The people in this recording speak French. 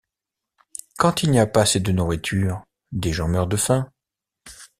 Quand il n’y a pas assez de nourriture, des gens meurent de faim.